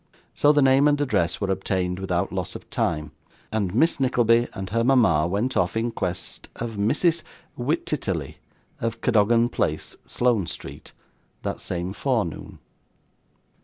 So, the name and address were obtained without loss of time, and Miss Nickleby and her mama went off in quest of Mrs. Wititterly, of Cadogan Place, Sloane Street, that same forenoon.